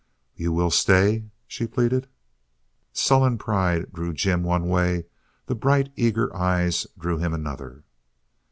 "You will stay?" she pleaded. Sullen pride drew Jim one way; the bright, eager eyes drew him another.